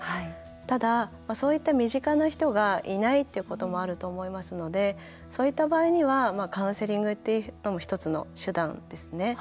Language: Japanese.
ただ、そういった身近な人がいないっていうこともあると思いますのでそういった場合にはカウンセリングも１つの手段ですね。